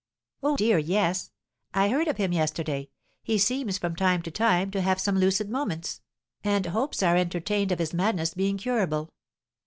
"Oh, dear, yes; I heard of him yesterday, he seems from time to time to have some lucid moments, and hopes are entertained of his madness being curable.